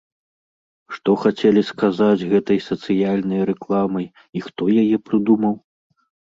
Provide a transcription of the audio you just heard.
Што хацелі сказаць гэтай сацыяльнай рэкламай і хто яе прыдумаў?